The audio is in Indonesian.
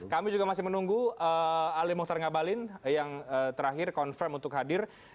kami juga masih menunggu ali muhtar ngabalin yang terakhir confirm untuk hadir